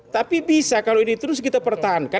tapi bisa kalau ini terus kita pertahankan